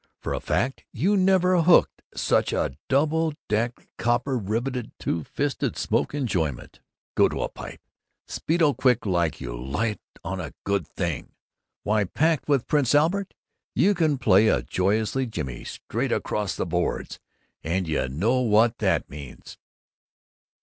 For a fact, you never hooked such double decked, copper riveted, two fisted smoke enjoyment! Go to a pipe speed o quick like you light on a good thing! Why packed with Prince Albert you can play a joy'us jimmy straight across the boards! _And you know what that means!